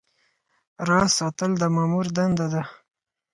راز ساتل د مامور دنده ده